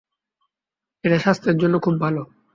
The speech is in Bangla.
এটা স্বাস্থ্যের জন্য খুব ভাল!